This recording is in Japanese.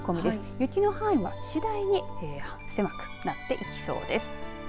雪の範囲は次第に狭くなっていきそうです。